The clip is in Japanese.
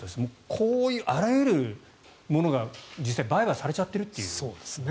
こういうあらゆるものが実際、売買されちゃっているということですね。